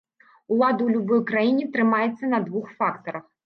Улада ў любой краіне трымаецца на двух фактарах.